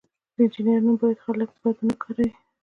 د انجینر نوم باید بد خلک ونه کاروي.